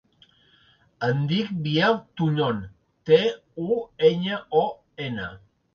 Em dic Biel Tuñon: te, u, enya, o, ena.